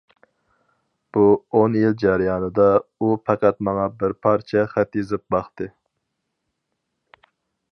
بۇ ئون يىل جەريانىدا، ئۇ پەقەت ماڭا بىر پارچە خەت يېزىپ باقتى.